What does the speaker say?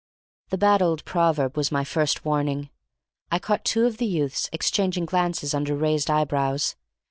The bad old proverb was my first warning. I caught two of the youths exchanging glances under raised eyebrows.